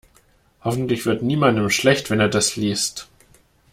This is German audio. Hoffentlich wird niemandem schlecht, wenn er das liest.